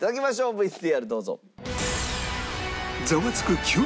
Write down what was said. ＶＴＲどうぞ。